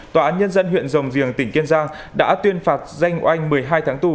tòa án nhân dân huyện rồng riềng tỉnh kiên giang đã tuyên phạt danh oanh một mươi hai tháng tù